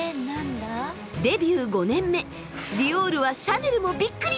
デビュー５年目ディオールはシャネルもびっくり！？